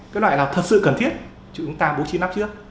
cái loại nào thực sự cần thiết chúng ta bố trí nắp trước